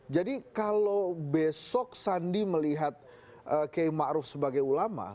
jadi kalau besok sandi melihat kay ma'ruf sebagai ulama